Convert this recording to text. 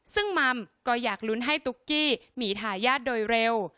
ซึ่งมัมก็อยากลุ้นให้ตุ๊กกี้มีทายาทโดยเร็ว